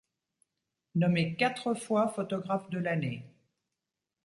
Nommé quatre fois photographe de l'année.